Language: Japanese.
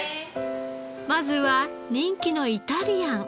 まずは人気のイタリアン。